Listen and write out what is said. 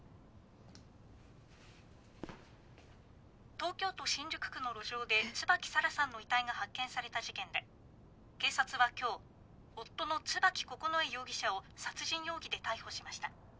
東京都新宿区の路上で椿沙良さんの遺体が発見された事件で警察は今日夫の椿九重容疑者を殺人容疑で逮捕しました。